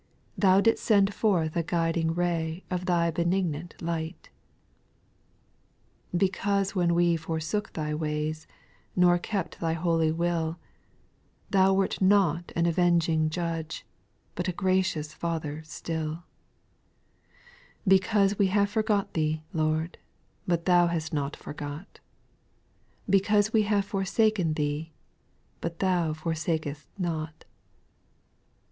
Thou didst send forth a guiding ray Of Thy benignant light :— 2. Because when we forsook Thy ways, Nor kept Thy holy will, Thou wert not an avenging Judge, But a gracious Father still ; Because we have forgot Thee, Lord, But Thou hast not forgot, — Because we have forsaken Theo, But Thou forsakest not :— 8.